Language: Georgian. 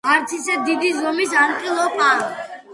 არც ისე დიდი ზომის ანტილოპაა.